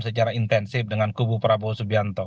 secara intensif dengan kubu prabowo subianto